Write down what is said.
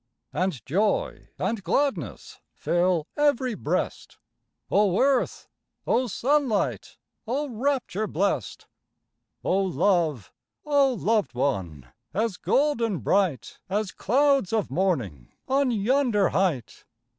And joy and gladness Fill ev'ry breast! Oh earth! oh sunlight! Oh rapture blest! Oh love! oh loved one! As golden bright, As clouds of morning On yonder height!